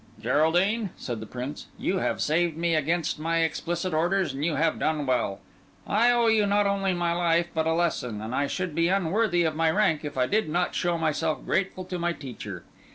"Geraldine," said the Prince, "you have saved me against my explicit orders, and you have done well. I owe you not only my life, but a lesson; and I should be unworthy of my rank if I did not show myself grateful to my teacher.